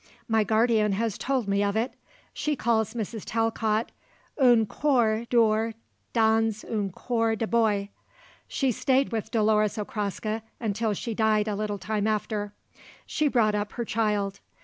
My guardian has told me of it; she calls Mrs. Talcott: 'Un coeur d'or dans un corps de bois.' She stayed with Dolores Okraska until she died a little time after. She brought up her child.